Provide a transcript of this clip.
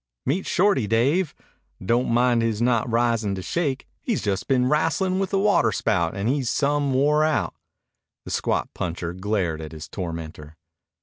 "Meet Shorty, Dave. Don't mind his not risin' to shake. He's just been wrastlin' with a waterspout and he's some wore out." The squat puncher glared at his tormentor.